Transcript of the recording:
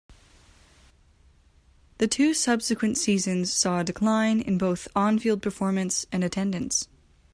The two subsequent seasons saw a decline in both on-field performance and attendance.